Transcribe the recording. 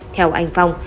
theo anh phong